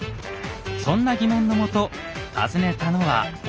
そんな疑問のもと訪ねたのは大阪。